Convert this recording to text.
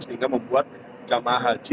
sehingga membuat jemaah haji